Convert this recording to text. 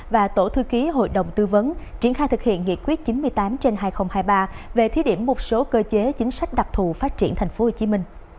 và tổ thư ký hội đồng tư vấn triển khai thực hiện nghị quyết chín mươi tám trên hai nghìn hai mươi ba về thí điểm một số cơ chế chính sách đặc thù phát triển tp hcm